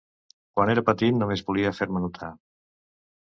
Quan era petit només volia fer-me notar.